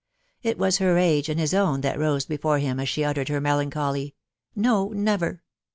It was her age and his own that rose before him as she uttered her melancholy "No, never!" ....